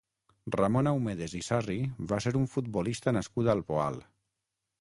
Ramon Aumedes i Sarri va ser un futbolista nascut al Poal.